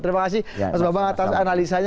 terima kasih mas bambang atas analisanya